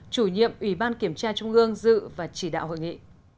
chủ nhiệm ủy ban kiểm tra trung ương dự và chỉ đạo hội nghị